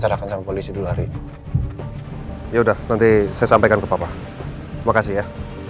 akan sampai ke polisi dulu hari ini ya udah nanti saya sampaikan ke papa terima kasih ya